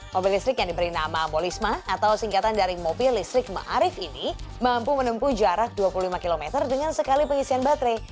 mobil listrik yang diberi nama ambolisma atau singkatan dari mobil listrik ⁇ maarif ⁇ ini mampu menempuh jarak dua puluh lima km dengan sekali pengisian baterai